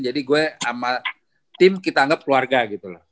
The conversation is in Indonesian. jadi gue sama tim kita anggap keluarga gitu loh